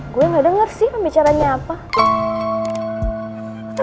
gue gak denger sih pembicaranya apa